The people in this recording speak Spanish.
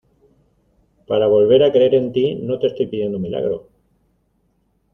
para volver a creer en ti. no te estoy pidiendo un milagro